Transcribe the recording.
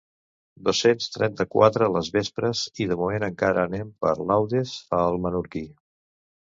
Dos-cents trenta-quatre les vespres i de moment encara anem per laudes, fa el menorquí.